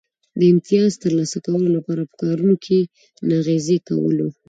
د امیتاز ترلاسه کولو لپاره په کارونو کې ناغېړي کول و